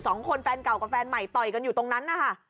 สองคนแฟนเก่ากับแฟนใหม่ต่อยกันอยู่ตรงนั้น